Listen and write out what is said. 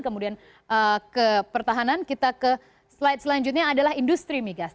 kemudian ke pertahanan kita ke slide selanjutnya adalah industri migas